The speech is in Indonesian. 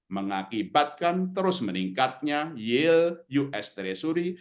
mengakibatkan terus meningkatnya yield us treasury